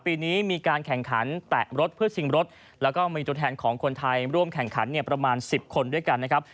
ปีนี้มีการแข่งขันแตะรถเพื่อชิงรถแล้วก็มีตัวแทนของคนไทยร่วมแข่งขันเนี่ยประมาณ๑๐คนด้วยกันนะครับ